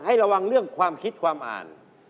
ให้ระวังเรื่องความคิดความอ่าน